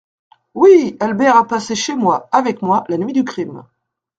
Oui ! Albert a passé chez moi, avec moi, la nuit du crime.